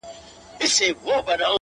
د ژوندون ساه او مسيحا وړي څوك ـ